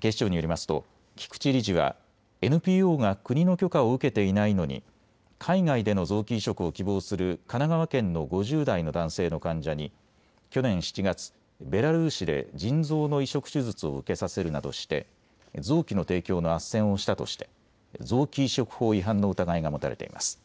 警視庁によりますと菊池理事はＮＰＯが国の許可を受けていないのに海外での臓器移植を希望する神奈川県の５０代の男性の患者に去年７月、ベラルーシで腎臓の移植手術を受けさせるなどして臓器の提供のあっせんをしたとして臓器移植法違反の疑いが持たれています。